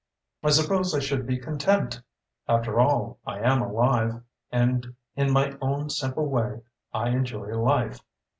I suppose I should be content. After all, I am alive and, in my own simple way, I enjoy life.